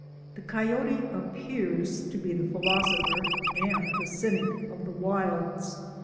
The coyote appears to be the philosopher and the cynic of the wilds.